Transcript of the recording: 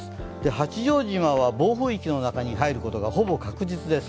八丈島は暴風域の中に入ることがほぼ確実です。